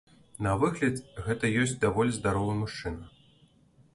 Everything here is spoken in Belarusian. На выгляд гэта ёсць даволі здаровы мужчына.